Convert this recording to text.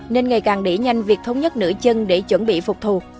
nên ngày càng đẩy nhanh việc thống nhất nữ chân để chuẩn bị phục thù